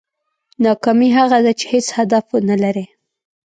ناکامي هغه ده چې هېڅ هدف ونه لرې.